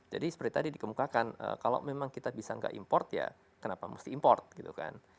seperti tadi dikemukakan kalau memang kita bisa nggak import ya kenapa mesti import gitu kan